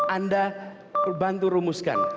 anda bantu rumuskan